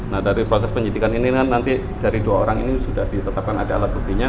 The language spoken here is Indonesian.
nah dari proses penyidikan ini kan nanti dari dua orang ini sudah ditetapkan ada alat buktinya